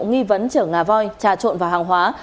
nghi vấn chở ngà voi trà trộn vào hàng hóa